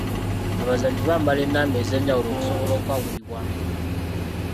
Abazannyi bambala ennamba ez'enjawulo okusobola okwawulibwa amangu.